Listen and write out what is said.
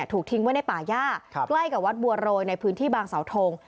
ถูกทิ้งไว้ในป่าย่าใกล้กับวัดบัวโรยในพื้นที่บางเสาทง